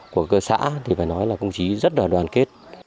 của cơ xã thì phải nói là công chí rất là đoàn kết